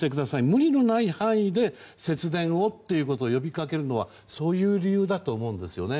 無理のない範囲で節電をということを呼びかけるのはそういう理由だと思うんですね。